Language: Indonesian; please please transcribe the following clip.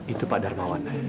itu pak darmawan